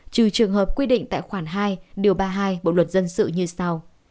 trừ trường hợp quy định tại khoản hai điều ba mươi hai bộ luật dân sự như sau